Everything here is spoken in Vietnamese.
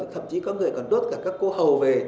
thậm chí có người còn đốt cả các cô hầu về